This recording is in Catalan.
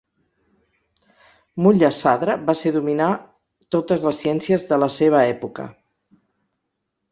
Mulla Sadra va ser dominar totes les ciències de la seva època.